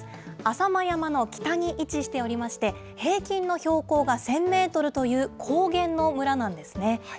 浅間山の北に位置しておりまして、平均の標高が１０００メートルという、高原の村なんですね。